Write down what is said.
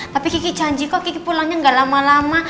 tapi keki janji kok keki pulangnya gak lama lama